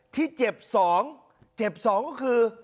ที่เจ็บสองเจ็บสองก็คือ